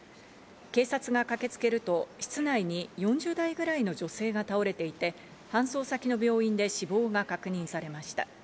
警察が駆けつけると室内に４０代くらいの女性が倒れていて、搬送先の病院で死亡が確認されました。